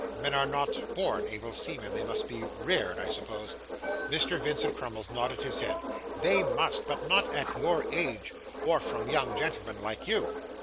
'Men are not born able seamen. They must be reared, I suppose?' Mr. Vincent Crummles nodded his head. 'They must; but not at your age, or from young gentlemen like you.